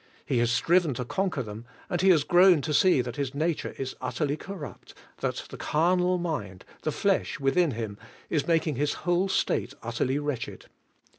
He has striven to conquer them and he has grown to see that his nature is utterl}^ corrupt, that the carnal mind, the flesh, within him, is making his whole state utterly wretched.